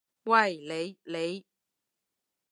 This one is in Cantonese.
喂，你！你！